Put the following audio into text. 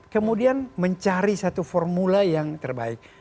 kemudian mencari satu formula yang terbaik